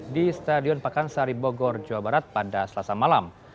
di stadion pakansari bogor jawa barat pada selasa malam